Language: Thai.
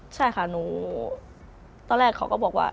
ใช่ค่ะหนูตอนแรกเขาก็บอกว่า